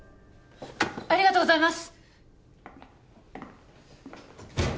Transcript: ありがとうございます！